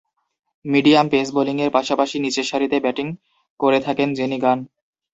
Medium pace বোলিংয়ের পাশাপাশি নিচেরসারিতে ব্যাটিং করে থাকেন জেনি গান।